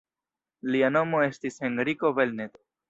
Lia nomo estis Henriko Belnett.